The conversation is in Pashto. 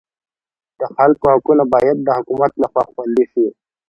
د خلکو حقونه باید د حکومت لخوا خوندي شي.